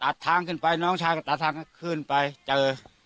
ทางขึ้นไปน้องชายก็ตัดทางก็ขึ้นไปเจอ